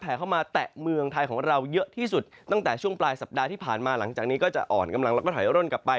เข้ามาแตะเมืองไทยของเราเยอะที่สุดตั้งแต่ช่วงปลายสัปดาห์ที่ผ่านมาหลังจากนี้ก็จะอ่อนกำลังแล้วก็ถอยร่นกลับไป